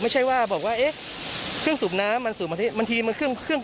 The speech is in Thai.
ไม่ใช่ว่าบอกว่าเอ๊ะเครื่องสูบน้ำมันสูบมาที่บางทีมันเครื่อง